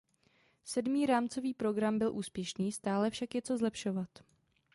Sedmý rámcový program byl úspěšný, stále však je co zlepšovat.